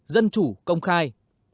dân chủ công khai